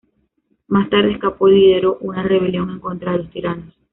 Más tarde escapó y lideró una rebelión en contra de los Tiranos.